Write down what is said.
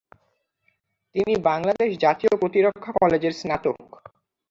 তিনি বাংলাদেশ জাতীয় প্রতিরক্ষা কলেজের স্নাতক।